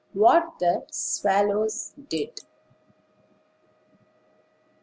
WHAT THE SWALLOWS DID.